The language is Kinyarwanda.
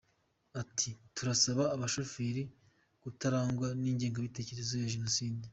Ati “Turasaba abashoferi kutarangwa n’ingengabitekerezo ya Jenoside.